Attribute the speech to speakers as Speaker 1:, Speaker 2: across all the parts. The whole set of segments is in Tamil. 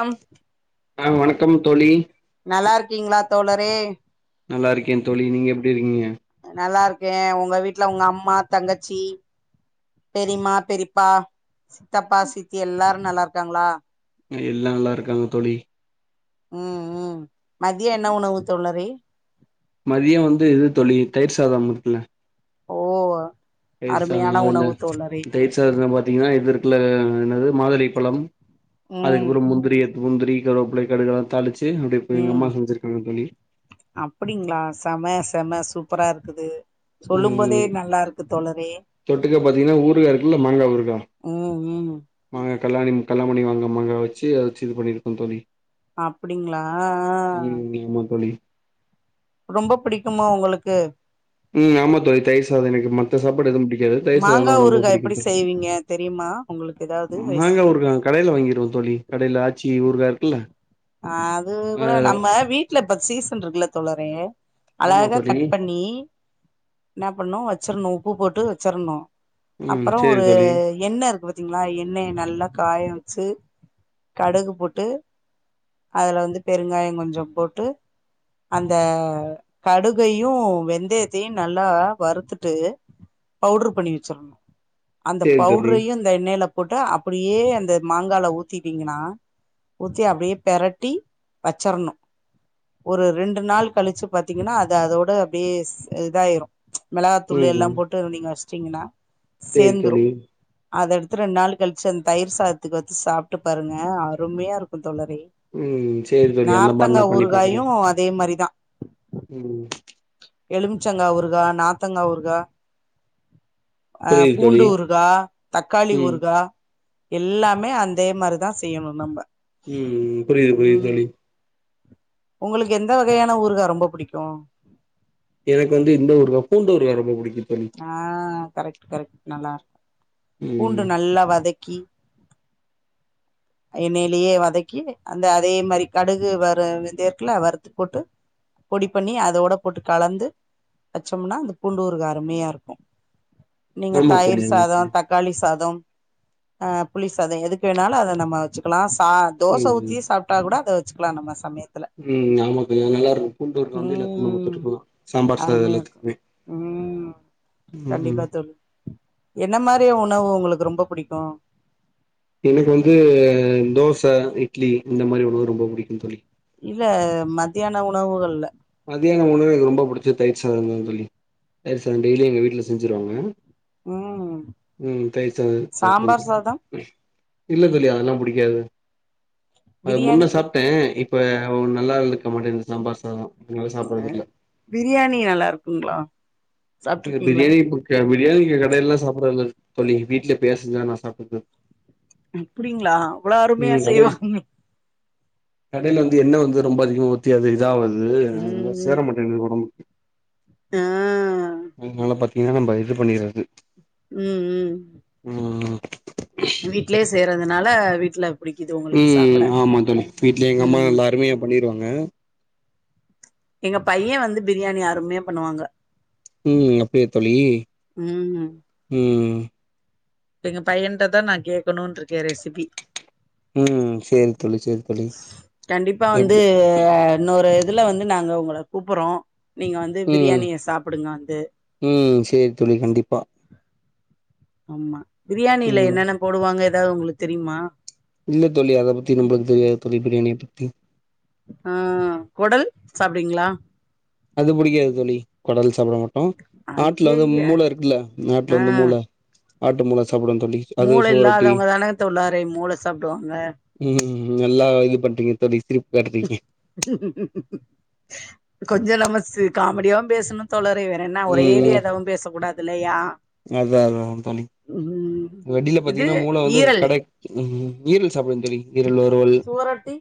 Speaker 1: அம்
Speaker 2: ஆ வணக்கம் தோழி
Speaker 1: நல்லா இருக்கீங்களா தோழரே
Speaker 2: நல்லா இருக்கே தோழி நீங்க எப்டி இருக்கீங்க
Speaker 1: நல்லா இருக்கே ஒங்க வீட்ல ஒங்க அம்மா தங்கச்சி பெரிம்மா பெரிப்பா சித்தப்பா சித்தி எல்லாரு நல்லா இருக்காங்களா
Speaker 2: ஆ எல்லா நல்லா இருக்காங்க தோழி
Speaker 1: ம் ம் மதியோ என்ன உணவு தோழரே
Speaker 2: மதியோ வந்து இது தோழி தயிர் சாதம் இருக்குல
Speaker 1: ஓ
Speaker 2: தயிர் சாதம்
Speaker 1: அருமையான
Speaker 2: அதுல
Speaker 1: உணவு தோழரே
Speaker 2: தயிர் சாதத்துல பாத்தீங்கன்னா இது இருக்குல என்னது மாதுளைப்பழம்
Speaker 1: ம்
Speaker 2: அதுக்கப்பறோ முந்திரி முந்திரி கருவேப்பில கடுகெல்லா தாளிச்சு அப்டி எங்க
Speaker 1: ம்
Speaker 2: அம்மா செஞ்சிருக்காங்க தோழி
Speaker 1: அப்டிங்களா செம செம சூப்பரா இருக்குது சொல்லும் போதே
Speaker 2: ம்
Speaker 1: நல்லா இருக்கு தோழரே
Speaker 2: தொட்டுக்க பாத்தீங்கன்னா ஊறுகா இருக்குல்ல மாங்கா ஊறுகா
Speaker 1: ம் ம்
Speaker 2: மாங்கா கல்லாணி கல்லாமணி மாங்கா மாங்கா வச்சு அத வச்சு இது பண்ணிருக்கோ தோழி
Speaker 1: அப்டீங்களா அ அ
Speaker 2: இன்னுமா தோழி
Speaker 1: ரொம்ப பிடிக்குமோ உங்குளுக்கு
Speaker 2: உம் ஆமா தோழி தயிர் சாதம் எனக்கு மத்த சாப்பாடு எதுவு புடிக்காது
Speaker 1: மாங்கா ஊருகா எப்டி செய்வீங்க தெரியுமா உங்குளுக்கு எதாவது ரெசிபி
Speaker 2: கடையில வாங்கிருவோ தோழி கடையில ஆச்சி ஊருகா இருக்குல்ல
Speaker 1: ஆ அது கூட
Speaker 2: அதுல
Speaker 1: நம்ம வீட்ல இப்ப சீசன் இருக்குல்ல தோழரே
Speaker 2: ஆமா
Speaker 1: அழகா
Speaker 2: தோழி
Speaker 1: கட் பண்ணி என்னா பண்ணோ வெச்சிறணோ உப்பு போட்டு வெச்சிறணோ
Speaker 2: ம்
Speaker 1: அப்பறோ
Speaker 2: சேரி
Speaker 1: ஒரு
Speaker 2: தோழி
Speaker 1: எண்ண இருக்கு பாத்தீங்களா எண்ணெய நல்லா காய வெச்சு கடுகு போட்டு அதுல வந்து பெருங்காயோ கொஞ்சோ போட்டு அந்த கடுகையு வெந்தயத்தையு நல்லா வறுத்துட்டு பவுடுரு பண்ணி வெச்சிருணு அந்த
Speaker 2: சேரி தோழி
Speaker 1: பவுடுரயு இந் த எண்ணைல போட்டு அப்டியே அந்த மாங்கால ஊத்திட்டீங்கன்னா ஊத்தி அப்டியே பெரட்டி வெச்சரணோ ஒரு ரெண்டு நாள் கழிச்சு பாத்தீங்கன்னா அது அதோட அப்டியே ஸ் இதாயிரோ மெளகா தூளு எல்லா
Speaker 2: ம்
Speaker 1: போட்டு நீங்க வெச்சுட்டீங்கன்னா
Speaker 2: சேரி
Speaker 1: சேந்துரோ
Speaker 2: தோழி
Speaker 1: அத எடுத்து ரெண்டு நாள் கழிச்சு அந்த தயிர் சாதத்துக்கு வெச்சு சாப்ட்டு பாருங்க அருமையா இருக்கோ தோழரே
Speaker 2: ம் சேரி தோழி அந்த மாரி
Speaker 1: நார்த்தங்கா
Speaker 2: நா பண்ணி பாக்குறே
Speaker 1: ஊறுகாயு அதே மாரிதா
Speaker 2: ம்
Speaker 1: எலுமிச்சங்கா ஊருகா நார்த்தங்கா ஊருகா அ
Speaker 2: புரியுது தோழி
Speaker 1: பூண்டு ஊறுகா தக்காளி
Speaker 2: ம்
Speaker 1: ஊறுகா எல்லாமே அதே மாரிதா செய்யணோ நம்ம
Speaker 2: உம் புரியுது புரியுது
Speaker 1: ம்
Speaker 2: தோழி
Speaker 1: உங்களுக்கு எந்த வகையான ஊறுகா ரொம்ப புடிக்கோ
Speaker 2: எனக்கு வந்து இந்த ஊறுகா பூண்டு ஊறுகா‌ ரொம்ப புடிக்கோ தோழி
Speaker 1: ஆ கரெக்ட் கரெக்ட் நல்லா இருக்கோ
Speaker 2: ம்
Speaker 1: பூண்ட நல்லா வதக்கி எண்ணையிலயே வதக்கி அந்த அதே மாரி கடுகு வறு இதேற்குல வறுத்து போட்டு பொடி பண்ணி அதோட போட்டு கலந்து வெச்சோம்னா அந்த பூண்டு ஊறுகா ‌‌அருமையா இருக்கோ நீங்க
Speaker 2: ஆமா தோழி
Speaker 1: தயிர்
Speaker 2: ஆமா
Speaker 1: சாதோ
Speaker 2: தோழி
Speaker 1: தக் காளி சாதம் ஆ புளி சாதம் எதுக்கு வேணாலு அத நம்ம வெச்சிக்கலா சா தோச
Speaker 2: ம்
Speaker 1: ஊத்தியே சாப்ட்டாலோ கூட அத வெச்சுக்கலா நம்ம சமயத்
Speaker 2: ம் ஆமா தோழி நல்லா இருக்கோ பூண்டு ஊறுகா வந்து எல்லா
Speaker 1: ம்
Speaker 2: சாப்பாட்டுக்குமே இருக்கோ சாம்பார் சாதோ
Speaker 1: அருமையா இருக்கும்
Speaker 2: எல்லாத்துக்குமே
Speaker 1: ம்
Speaker 2: ம்
Speaker 1: கண்டிப்பா
Speaker 2: ம்
Speaker 1: தோழி என்ன மாரிய உணவு உங்குளுக்கு ரொம்ப புடிக்கோ
Speaker 2: எனக்கு வந்து தோச இட்லி இந்த மாரி உணவு ரொம்ப பிடிக்கோ தோழி
Speaker 1: இல்ல மத்தியானோ உணவுகள்ல
Speaker 2: மத்தியானோ உணவுல ரொம்ப பிடிச்சது தயிர் சாதம்தா தோழி தயிர் சாதம் டெய்லி எங்க வீட்ல செஞ்சிருவாங்க
Speaker 1: ம்
Speaker 2: ம் தயிர் சாதம் சாப்ட்றுவ
Speaker 1: சாம்பார் சாதம்
Speaker 2: தோழி இல்ல தோழி அதெல்லா பிடிக்காது அது முன்ன
Speaker 1: பிரியாணி
Speaker 2: சாப் ட்டே இப்ப ஒரு நல்லா இருக்க மாட்டேங்குது சாம்பார் சாதோ அதனால சாப்புடறது இல்ல
Speaker 1: பிரியாணி நல்லா இருக்குங்களா சாப்ட்ருக்கீங்களா
Speaker 2: பிரியாணி இப்ப பிரியாணி கடைலல்லா சாப்பிடறதுல்ல தோழி வீட்ல எப்பையா செஞ்சா நா சாப்டுப்பே
Speaker 1: அப்டிங்களா அவ்ளோ அருமையா
Speaker 2: ம் கடைல
Speaker 1: செய்வாங்க
Speaker 2: கடைல வந்து எண்ணெய் வந்து ரொம்ப அதிகமா ஊத்தி அது இதாவுது அதனால
Speaker 1: ம்
Speaker 2: சேர
Speaker 1: ம்
Speaker 2: மாட்டேங்குது ஒடம்புக்கு
Speaker 1: ஆ
Speaker 2: அதுனால பாத்தீங்கன்னா நம்ம இது பண்ணிறது
Speaker 1: ம் ம்
Speaker 2: ம் ம்
Speaker 1: வீட்லே செய்றதுனால வீட்ல புடிக்குது உங்களுக்கு
Speaker 2: ம் ம்
Speaker 1: சாப்ட
Speaker 2: ஆமா தோழி வீட்லே எங்க அம்மா
Speaker 1: ம்
Speaker 2: நல்லா அருமையா பண்ணிருவாங்க
Speaker 1: எங்க பையன் வந்து பிரியாணி அருமையா பண்ணுவாங்க
Speaker 2: ம் அப்டியா தோழி
Speaker 1: ம்
Speaker 2: ம்
Speaker 1: இப்ப எங்க பையன்ட்ட தா நா கேட்கணுன் இருக்கே ரெசிபி
Speaker 2: ம் சேரி தோழி சேரி தோழி
Speaker 1: கண்டிப்பா வந்து
Speaker 2: எப்டி
Speaker 1: இன்னொரு இதுல வந்து நாங்க உங்கள கூப்பிறோ நீங்க வந்து
Speaker 2: ம்
Speaker 1: பிரியாணிய சாப்பிடுங்க வந்து
Speaker 2: ம் சேரி தோழி கண்டிப்பா
Speaker 1: ஆமா பிரியாணியில
Speaker 2: ம்
Speaker 1: என்னென்ன போடுவாங்க எதாவது உங்களுக்கு தெரியுமா
Speaker 2: இல்ல தோழி அதை பத்தி நம்மளுக்கு தெரியாது தோழி பிரியாணிய பத்தி
Speaker 1: ஆ கொடல் சாப்புடுவிங்களா
Speaker 2: அது பிடிக்காது தோழி குடல் சாப்பிட மாட்டோ ஆட்டுல வந்து
Speaker 1: ஐய்யய்ய
Speaker 2: மூளை இருக்குல்ல ஆட்டுல
Speaker 1: ஆ
Speaker 2: வந்து மூளை ஆட்டு மூளை சாப்புடுவே தோழி
Speaker 1: மூளை
Speaker 2: சுவரொட்டி
Speaker 1: இல்லாதவங்க தானே தோழரே மூளை சாப்டுவாங்க
Speaker 2: ம் நல்லா இது பண்றீங்க தோழி சிரிப்பு காட்டுறீங்க
Speaker 1: கொஞ்ச நம்ம ஸ் காமெடியாவு பேசணும் தோழரே வே என்ன
Speaker 2: ம் ம்
Speaker 1: ஒரேடியதாவு பேச கூடாது இல்லையா
Speaker 2: அதா அதான் தோழி
Speaker 1: ம்
Speaker 2: [unintelligible]
Speaker 1: இது
Speaker 2: பாத்தீங்கன்னா மூளை வந்து
Speaker 1: ஈரல்
Speaker 2: கடை ஈரல் சாப்பிடுவே தோழி ஈரல் வருவல்
Speaker 1: ரொட்டி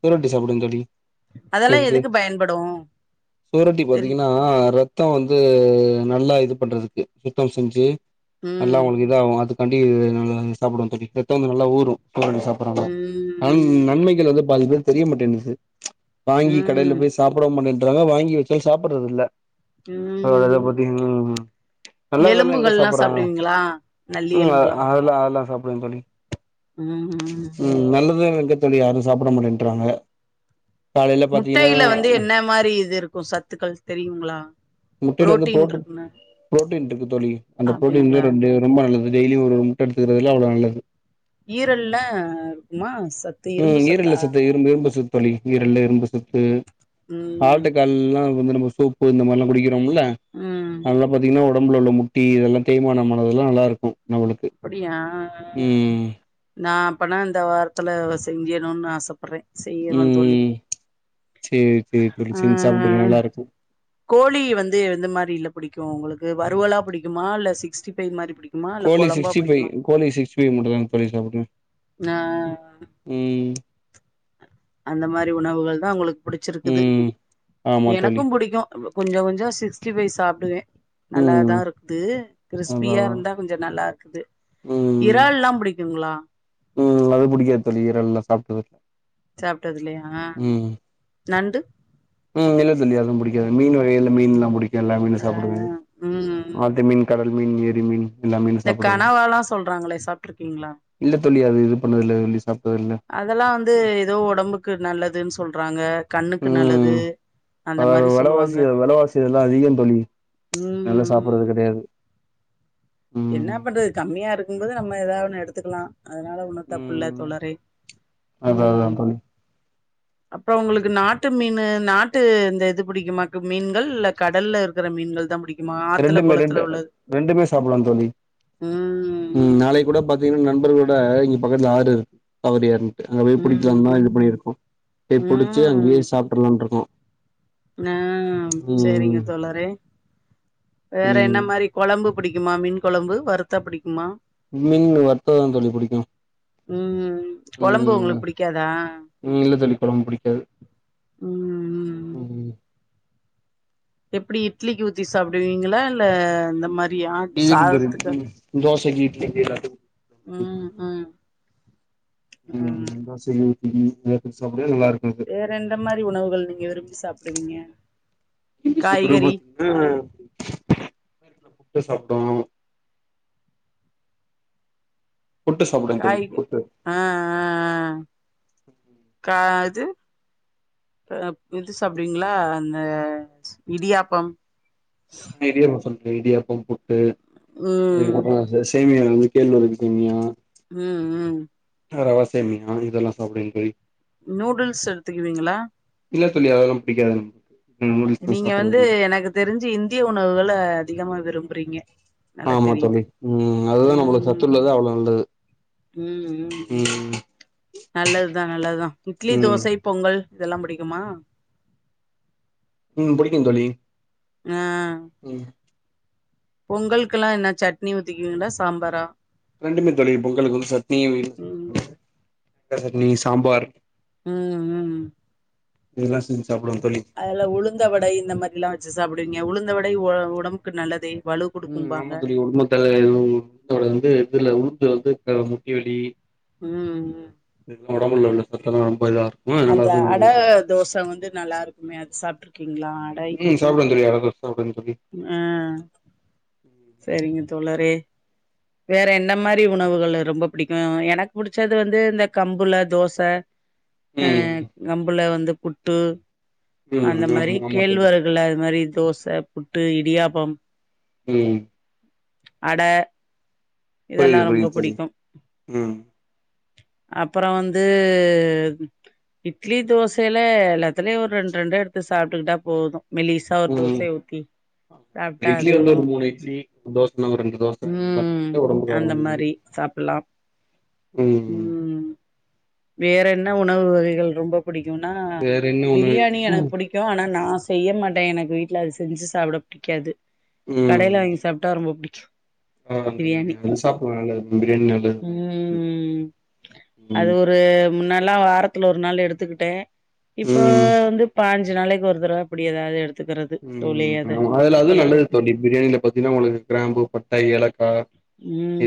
Speaker 2: சுவரொட்டி சாப்பிடுவன் தோழி [unintelligible]
Speaker 1: எதுக்கு பயன்படு
Speaker 2: சுவரொட்டி
Speaker 1: தெரி
Speaker 2: பாத்தீங்கன்னா ஆ ரத்தம் வந்து நல்லா இது பண்றதுக்கு சுத்தம் செஞ்சி நல்லா
Speaker 1: ம்
Speaker 2: உங்களுக்கு இதாகு அதுக்காண்டி சாப்பிடுவே தோழி ரத்தம் வந்து நல்லா ஊரும் சுவரொட்டி சாப் பறனால ஆனா
Speaker 1: ம்
Speaker 2: நன்மைகள் வந்து பாதி பேருக்கு தெரிய மாட்டேங்குது வாங்கி கடையில
Speaker 1: ம்
Speaker 2: போய் சாப்பிட மாட்டேன்றாங்க வாங்கி வச்சாலு சாப்பிடுறது இல்ல வர வர
Speaker 1: ம்
Speaker 2: பாத்தீங்கனா நல்லாதெல்லா எங்க
Speaker 1: எலும்புகள்லா
Speaker 2: சாப்பிறாங்க
Speaker 1: சாப்டுவீங்களா நல்லி
Speaker 2: ம்
Speaker 1: எலும்புலா
Speaker 2: அதெல்லா அதெல்லா சாப்பிடுவன் தோழி
Speaker 1: ம் ம்
Speaker 2: ம் நல்லதுலா எங்க தோழி யாரும் சாப்பிட மாட்டேன்றாங்க காலையில பாத்தீங்கன்னா
Speaker 1: முட்டையில வந்து என்ன மாரி இது இருக்கும் சத்துக்கள் தெரியுங்களா
Speaker 2: முட்டைய்ல வந்து
Speaker 1: புரோட்டீன்
Speaker 2: புரோ
Speaker 1: இருக்குன்னு
Speaker 2: புரோட்டீன் இருக்கு தோழி அந்த புரோட்டீன்ல
Speaker 1: அப்டிங்களா
Speaker 2: ரெண்டு ரொம்ப நல்லது டெய்லியு ஒரு முட்ட எடுத்துக்றதுல அவ்ளோ நல்லது
Speaker 1: ஈரல்ல இருக்குமா சத்து இரும்பு
Speaker 2: ம் ஈரல்ல
Speaker 1: சத்தா
Speaker 2: சத்து இரும்பு இரும்பு சத் து தோழி ஈரல்ல இரும்பு சத்து
Speaker 1: ம்
Speaker 2: ஆட்டுக்கால்லா வந்து நம்ம சூப்பு இந்த மார்லா குடிக் றோலாம்ல
Speaker 1: ம்
Speaker 2: நல்ல பாத்தீங்ன்னா ஒடம்புல்ல உள்ள முட்டி இதெல்லா தேய்மானமானதெல்லா நல்லா இருக்கும் அவளுக்கு
Speaker 1: அப்படியா
Speaker 2: ம்
Speaker 1: நா அப்பனா இந்த வாரத்ல செஞ்சிர்ணுனு ஆசப்பட்றே செய்யணு தோழி
Speaker 2: ம் சேரி சேரி தோழி
Speaker 1: ஆ
Speaker 2: செஞ்சி சாப்ட்டுக்க நல்லாருக்கு
Speaker 1: கோழி வந்து எந்த மாரில்ல புடிக்கு உங்ளுக்கு வருவலா புடிக்குமா இல்ல சிக்ஸ்டி ஃபைவ் மாரி புடிக்குமா இல்ல
Speaker 2: கோழி
Speaker 1: கொழம்பா
Speaker 2: சிக்ஸ்டி ஃபைவ்
Speaker 1: புடிக்குமா
Speaker 2: கோழி சிக்ஸ்டி ஃபைவ் மட்டுதாங் தோழி சாப்டுவே
Speaker 1: ஆ
Speaker 2: ம்
Speaker 1: அந்த மாரி உணவுகள் தா உங்களுக்கு புடிச்சிருக்குது
Speaker 2: ம் ஆமா தோழி
Speaker 1: எனக்கு புடிக்கு கொஞ்ச கொஞ்சோ சிக்ஸ்டி ஃபை சாப்ட்டுவே
Speaker 2: ம்
Speaker 1: நல்லாதா இருக்குது
Speaker 2: அதா
Speaker 1: க்ரிஸ்பியா
Speaker 2: அதா
Speaker 1: இருந்தா கொஞ்ச நல்லா இருக்குது
Speaker 2: ம்
Speaker 1: இறால்லா புடிக்குங்களா
Speaker 2: ம் அது புடிக்காத் தோழி இறால்லா சாப்ட்டது இல்ல
Speaker 1: சாப்டது இல்லையா
Speaker 2: ம்
Speaker 1: நண்டு
Speaker 2: ம் இல்ல தோழி அது புடிக்காது மீன் வகையெல்லா மீன்லா புடிக்கு எல்லா மீனு
Speaker 1: ஆ
Speaker 2: சாப்டுவே
Speaker 1: ம்
Speaker 2: ஆத்து மீன் கடல் ல் மீன் ஏரி மீன் எல்லா மீன்
Speaker 1: இந்த
Speaker 2: சாப்புடுறது
Speaker 1: கனவாலா சொல்றாங்ளே சாப்ட்ருக்கீங்ளா
Speaker 2: இல்ல தோழி அது இது பண்ணத் இல்ல தோழி சாப்ட்டத்தில்ல
Speaker 1: அதெல்லா வந்து எதோ ஒடம்புக்கு நல்லதுன் சொல்றாங்க கண்ணுக்கு நல்லது அந்த
Speaker 2: அ
Speaker 1: மாரி சொல்லுவாங்க
Speaker 2: வெலவாசி வெலவாசி இதெல்லா அதிகந்தோழி அதனால
Speaker 1: ம்
Speaker 2: சாப்பட்றது கெடயாது
Speaker 1: என்னா பண்றத் கம்மியாருக்கும்போது நம்ம எதாவ் ஒண்ணு எடுத்துக்லா அதனால ஒன்னு தப்பில்ல
Speaker 2: ம்
Speaker 1: தோழரே
Speaker 2: அதா அதா
Speaker 1: ம்
Speaker 2: தோழி
Speaker 1: அப்றோ உங்ளுக் நாட்டு மீனு நாட்டு இந்த இது புடிக்குமாக்கு மீன்கள் இல்ல கடல்ல இருக்ற மீன்கள் தா புடிக்
Speaker 2: ரெண்டுமே ரெண்டு ரெண்டுமே சாப்புல்லாந் தோழி
Speaker 1: ம்
Speaker 2: ம் நாளைக் கூட பாத்தீங்ன்னா நண்பர்ளோட இங்க பக்கத்ல ஆறு தவறி [unintelligible] அங்க போய் புடிக்கலாம்
Speaker 1: ம்
Speaker 2: தான் இது பண்ணிருக்கோம் போய்
Speaker 1: ம்
Speaker 2: புடிச்சி அங்யே
Speaker 1: ம்
Speaker 2: சாப்ட்டுலான்ருக்கோ
Speaker 1: ஆ செரிங்க தோழரே வேற என்ன
Speaker 2: ம்
Speaker 1: மாரி கொலம்பு புடிக்குமா மீன் கொலம்பு வருத்தா புடிக்குமா
Speaker 2: மீன் வருத்த தா தோழி புடிக்கு
Speaker 1: ம் ம் கொலம்பு உங்ளுக்
Speaker 2: ம்
Speaker 1: புடிக்காதா
Speaker 2: ம் இல்ல தோழி கொழம்பு புடிக்காது
Speaker 1: ம் ம் எப்டி இட்லிக் ஊத்தி சாப்டுவீங்ளா இல்ல இந்த மாரி ஆட் சாதத்துக்கா
Speaker 2: தோசக்கி இட்லிக்கி எல்லாத்க்கு
Speaker 1: ம் ம்
Speaker 2: ம் தோசக்கி இட்லிக் இடியாப்பத்துக் சாப்ட நல்லாருக்கு இது
Speaker 1: வேற எந்த மாரி உணவுகள் நீங்க விரும்பி சாப்டுவீங்க
Speaker 2: விரும்பி சாப்டறத்
Speaker 1: காய்கறி
Speaker 2: பாத்தீங்ன்னா [inaudible] புட்டு சாப்டுவோ புட்டு சாப்டுவே தோழி
Speaker 1: காய்க
Speaker 2: புட்டு
Speaker 1: ஆ ஆ‌ ஆ கா இது இப் இது சாப்டுவிங்ளா அந்த இடியாப்பம்
Speaker 2: இடியாப்ப சொல் [unintelligible] இடியாப்பம் புட்டு
Speaker 1: ம்
Speaker 2: அதுக்கப்றோ [unintelligible] சேமியால வந்து கேழ்வரகு சேமியா
Speaker 1: ம் ம்
Speaker 2: ரவசேமியா இதெல்லா சாப்டுவேங் தோழி
Speaker 1: நூடுல்ஸ் எடுத்துக்குவீங்ளா
Speaker 2: இல்ல தோழி அதெல்லா பிடிக்காது எனக்கு ம் நூடுல்ஸ்லா
Speaker 1: நீங்க வந்து
Speaker 2: சாப்பட்றதில்ல
Speaker 1: எனக்கு தெரிஞ்சு இந்திய உணவுகள அதிகமா விரும்புறீங்க நல்லா
Speaker 2: ஆமா
Speaker 1: தெரியுது
Speaker 2: தோழி ம் அதுதா நம்மளுக்கு
Speaker 1: ம்
Speaker 2: சத்துள்ளது அவ்ளோ நல்லது
Speaker 1: ம் ம் நல்லதுதா நல்லதா இட்லி
Speaker 2: ம்
Speaker 1: தோச பொங்கல் இதெல்லா புடிக்குமா
Speaker 2: ம் புடிக்கு தோழி
Speaker 1: ஆ
Speaker 2: ம்
Speaker 1: பொங்கலுக்கெல்லா என்ன சட்னி ஊத்திக்கிவீங்ளா சாம்பாரா
Speaker 2: இரண்டுமே தோழி பொங்கலுக்கு வந்து சட்னியு வேணு
Speaker 1: ம்
Speaker 2: தேங்கா சட்னி சாம்பார்
Speaker 1: ம் ம்
Speaker 2: இதெல்லா செஞ்
Speaker 1: அதல உளுந்த வடை இந்த மாரி லா வச்சு சாப்டுவீங்க உளுந்த வடை ஒ ஒடம்புக் நல்லதே வலு
Speaker 2: ம்
Speaker 1: குடுக்கும்பாங்க
Speaker 2: ஆமா தோழி உடும்மத்தல உளுந்த வட வந்து இதுல உளுந்து வந்து முட்டி வலி
Speaker 1: ம்
Speaker 2: நம்ம உடம்புல்ல உள்ள சத்தெல்லா ரொம்ப இதா அதனால
Speaker 1: அந்த
Speaker 2: அது
Speaker 1: அட
Speaker 2: நல்லது
Speaker 1: தோச வந்து நல்லாருக்மே அது சாப்ட்ருக்கீங்ளா அட
Speaker 2: ம் சாப்டுவே தோழி அட தோச சாப்டுவே தோழி
Speaker 1: ஆ செரிங்க தோழரே வேற என்ன மாரி உணவுகள் ரொம்ப புடிக்கு எனக்கு புடிச்சது வந்து இந்த கம்புல தோச
Speaker 2: [inaudible]
Speaker 1: ஹ கம்புல வந்து புட்டு அந்த
Speaker 2: ம்
Speaker 1: மாரி
Speaker 2: ஆமா ஆமா தோழி
Speaker 1: கேழ்வரகு ல அது மாரி தோச புட்டு இடியாப்பம்
Speaker 2: ம்
Speaker 1: அட இதெல்லா
Speaker 2: புரியுது
Speaker 1: ரொம்ப
Speaker 2: புரியுது தோழி
Speaker 1: புடிக்கும்
Speaker 2: ம்
Speaker 1: அப்பற வந்து இட்லி தோசையில எல்லாத்துலயு ஒரு ரெண்டு ரெண்ட எடுத்து சாப்ட்டுக்கிட்டா போது மெலிச ச தோச
Speaker 2: ம்
Speaker 1: ஊத்தி சாப்ட்டா
Speaker 2: இட்லி வந்து
Speaker 1: அதுவு
Speaker 2: ஒரு இட்லி தோசனா ஒரு ரெண்டு தோச
Speaker 1: ம்
Speaker 2: [unintelligible] ஒடம்புக்கு அவ்ளோ
Speaker 1: அந்த
Speaker 2: நல்லது
Speaker 1: மாரி சாப்புட்லா
Speaker 2: ம்
Speaker 1: வேற என்ன உணவு வகைகள் ரொம்ப புடிக்குனா
Speaker 2: வேற என்ன ஒண்ணு
Speaker 1: பிரியாணி
Speaker 2: இருக்குன்னா
Speaker 1: எனக்கு புடிக்கு ஆனா நா செய்ய மாட்டே எனக்கு வீட்டுல அது செஞ்சு சாப்ட புடிக்காது
Speaker 2: ம்
Speaker 1: கடையில வாங்கி சாப் ட்டா ரொம்ப புடிக்கு
Speaker 2: ஆ அந்த [unintelligible] அது சாப்டுவே நல்லது பிரியாணி நல்லதுதா
Speaker 1: ம் அது
Speaker 2: ம்
Speaker 1: ஒரு முன்னால்லா வாரத்து ஒரு நாள் எடுத்துக்கிட்டே இப்ப
Speaker 2: ம்
Speaker 1: வந்து பாஞ் சு நாளைக்கி ஒரு தரவ இப்டி ஏதாவது எடுத்
Speaker 2: ம் அதுல அது நல்லது தோழி பிரியாணில பாத்தீங்கன்னா உங்களுக்கு கிராம்பு பட்டை ஏலக்கா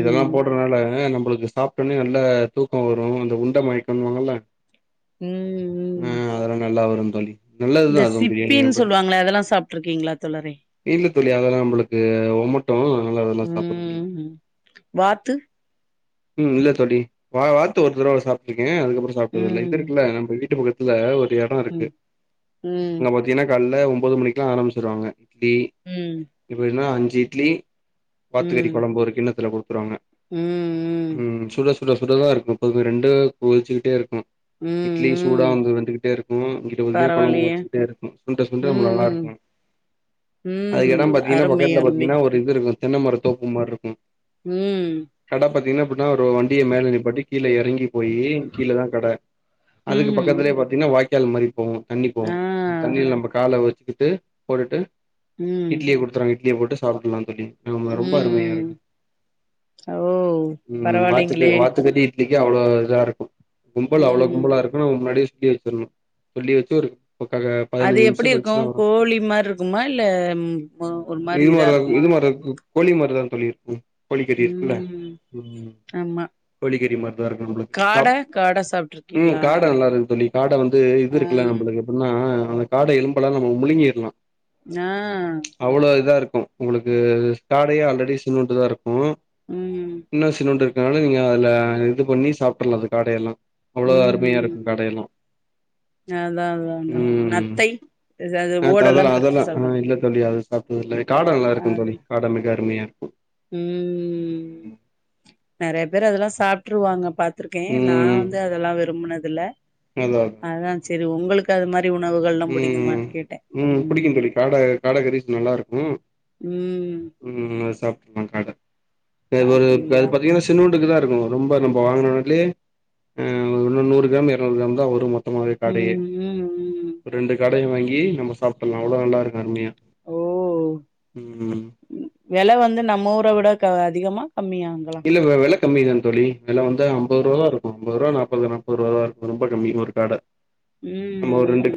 Speaker 2: இதெல்லாம் போடுறனால நம்மளுக்கு சாப்ட்டோனே நல்ல தூக்கோ வரு அந்த உண்ட மயக்கனுவாங்கல
Speaker 1: ம்
Speaker 2: ம் அதெல்லா நல்லா வரு தோழி நல்லதுதா
Speaker 1: இந்த
Speaker 2: அதுவு பிரியாணி
Speaker 1: சிப்பின்
Speaker 2: நம்ம-
Speaker 1: சொல்லுவாங்ளே அதெல்லா சாப்ட்ருக்கிங்ளா தோழரே?
Speaker 2: இல்ல தோழி அதெல்லா நம்பளக்கு ஒமட்டு அதனால அதெல்லா சாப்பட்றது இல்ல.
Speaker 1: ம் வாத்து
Speaker 2: ம் இல்ல தோழி வா வாத்து ஒரு தடவ சாப்ட்ருக்கே அதுக்கப்பறோ சாப்டது இல்ல இது
Speaker 1: ம்
Speaker 2: இருக்குல்ல நம்ம வீட்டு பக்க த்ல ஒரு எடோ இருக்கு
Speaker 1: ம் ம்
Speaker 2: அங்க பாத்திங்கனா கால்ல ஒம்போது மணிக்குலா ஆரமிச்சிருவாங்க இட்லி
Speaker 1: ம்.
Speaker 2: இப்போ இதுனா அஞ்சு இட்லி வாத்துக்கறி
Speaker 1: ம்
Speaker 2: கொழம்பு ஒரு கிண்ணத்துல குடுத்துருவாங்க.
Speaker 1: ம்
Speaker 2: ம் சுட சுட சுடதா இருக்கு எப்போதுமே ரெண்டு கொதிச்சுக்கிட்டேருக்கு.
Speaker 1: ம்
Speaker 2: இட்லி சூடா
Speaker 1: ம்
Speaker 2: வந்து வெந்துகிட்டே இருக்கு இங்கிட்டு உறுதியா கொழம்பு
Speaker 1: பரவாயில்லையே
Speaker 2: கொதிச்சுக்கிட்டே இருக்கு சுண்ட சுண்ட ம்ப நல்லாருக்கு. ம் அ
Speaker 1: ம்
Speaker 2: எடம் பாத்தீங்கன்னா
Speaker 1: அருமை
Speaker 2: பக்கத்ல
Speaker 1: அருமை
Speaker 2: பாத்தீங்கன்னா ஒரு இது இருக்கு தென்னமர தோப்பு மார்ருக்கு.
Speaker 1: ம்.
Speaker 2: பாத்தீங்னா இப்பு னா ஒரு வ வண்டிய மேல நிப்பாட்டி கீழ எறங்கி போயி கீழதா கட அதுக்கு
Speaker 1: ம்
Speaker 2: பக்கத்திலயே பா சின்ன வாய்க்கால் மாரி போவு தண்ணி போவு
Speaker 1: ஆ
Speaker 2: அந்த தண்ணில நம்ப கால வெச்சுகிட்டு போட்டுட்டு
Speaker 1: ம்
Speaker 2: இட்லிய குடுத்துறாங்க இட்லிய போட்டு சாப்பட்லா தோழி நாம ரொம்ப அருமையாருக்கு.
Speaker 1: அ ஓ.
Speaker 2: ம் வாத்துக்க
Speaker 1: பரவாயில்லைங்களே
Speaker 2: வாத்துக்கறி இட்லிக்கு அவ்ளோ இதா இருக்கு கும்பல் அவ்ளோ
Speaker 1: ம்
Speaker 2: கும்பலாரு ஆனா நாம முன்னாடியே சொல்லி வெச்சிர்ணு சொல்லி வெச்சு ஒரு புக்ககப்
Speaker 1: அது எப்பிடி இருக்கு கோழி மார்ருக்குமா இல்ல ம் அ ஒரும்
Speaker 2: இது மாராக்கு இது மாரக்குக் கோழி மாரிதாங் தோழி இருக்கு கோழிக்கறி இருக்குல்ல
Speaker 1: ம்
Speaker 2: ம்
Speaker 1: ஆமா
Speaker 2: கோழிக்கறி மார்தாருக்கு நம்புளுக்
Speaker 1: காட
Speaker 2: சாப்
Speaker 1: காட
Speaker 2: ம்
Speaker 1: சாப்ட்ருக்கீங்களா
Speaker 2: காட நல்லாருக்கு தோழி காட வந்து இது
Speaker 1: ஆ
Speaker 2: இருக்குல்ல நம்புளுக்கு எப்பிட்னா அ அந்த காட எலும்பெல்லா நம்ம முழுங்கிர்லா.
Speaker 1: அ
Speaker 2: அவ்ளோ இதா இருக்கு உங்குளுக்கு ஸ்டாடையே ஆல்ரெடி சின்னூண்டுதா இருக்கு.
Speaker 1: ம்.
Speaker 2: இன்னு சின்னூண்டு இருக்கற்னால நீங்க அதுல இது பண்ணி சாப்ட்றலா அது காடையெல்லா. அவ்ளோ
Speaker 1: ம் ம்
Speaker 2: அருமையாருக்கு காடையெல்லா.
Speaker 1: அதா அதா அதா
Speaker 2: ம்
Speaker 1: நத்தை இது அது
Speaker 2: ஆ
Speaker 1: ஓடெல்லா
Speaker 2: அதெல்லா
Speaker 1: பிரிச்சு
Speaker 2: அதெல்லா ஆ
Speaker 1: சாப்டுவா
Speaker 2: இல்ல தோழி அது சாப்ட்டதில்ல காட நல்லாருக்கு தோழி காட மிக அருமையா இருக்கு.
Speaker 1: ம் நெறையா பேர் அதல்லா சாப்ட்ருவாங்க பாத்துருக்கே நா
Speaker 2: ம்
Speaker 1: வந் து அதெல்லா விரும்புனதில்ல.
Speaker 2: அதா
Speaker 1: அதா செரி உங்குளுக்கு அது மார் ரி உணவுகள்லா
Speaker 2: ம்
Speaker 1: புடிக்குமானு கேட்டே ம்.
Speaker 2: புடிக்கு தோழி காட காட கறி நல்லா இருக்கு
Speaker 1: ம்.
Speaker 2: ம் அது சாப்ட்றலா காட ப்ப அது ஒரு இப்ப அது
Speaker 1: அப்டிங்களா
Speaker 2: பாத்தீங்கன்னா ஸ் சின்னூண்டுக்குதா இருக்கு ரொம்ப நம்ப வாங்கின [unintelligible] அ இன்னு நூறு கிராம் இரநூறு கிராம் தா வரு மொத் தமாவே காடையே.
Speaker 1: ம் ம் ம்
Speaker 2: ஒ ரெண்டு காடையு வாங்கி நம்ம சாப்ட்றலா அவ்ளோ நல்லாருக்கு அருமையா
Speaker 1: ஓ
Speaker 2: ம்.
Speaker 1: வெல வந்து நம்ம ஊர விட க அதிகமா கம்மியா அங்கள்
Speaker 2: இல்ல வெ வெல கம்மிதா தோழி வெல வந்து அம்பது ரூவாதா இருக்கு அம்பது ரூவா நாப்பது நாப்பது ரூவாதாருக்கு ரொம்ப கம்மி ஒரு காட. [inaudible]
Speaker 1: ம்.
Speaker 2: மோ ரெண்டு
Speaker 1: ம்